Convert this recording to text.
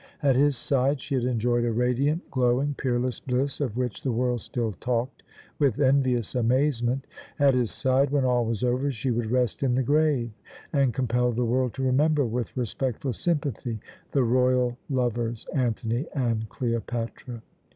At his side she had enjoyed a radiant, glowing, peerless bliss, of which the world still talked with envious amazement. At his side, when all was over, she would rest in the grave, and compel the world to remember with respectful sympathy the royal lovers, Antony and Cleopatra.